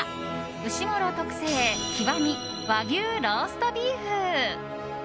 うしごろ特製“極”和牛ローストビーフ。